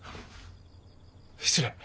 失礼。